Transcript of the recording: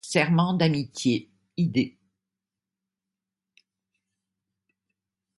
Serment d’amitié id.